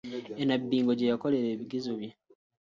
E Nabbingo gye yakolera ebigezo bye.